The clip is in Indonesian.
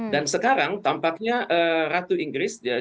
dan sekarang tampaknya ratu inggris